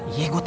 iya gue tau